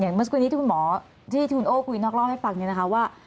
อย่างเมื่อสักวันที่คุณหมอที่คุณโอ้คุยนอกรอบให้ฟังเนี่ยนะคะว่า